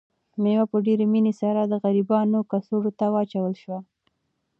مېوه په ډېرې مینې سره د غریبانو کڅوړو ته واچول شوه.